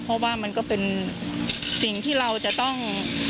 เพราะว่ามันก็เป็นสิ่งที่เราจะต้อง